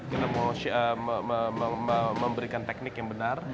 kita mau memberikan teknik yang benar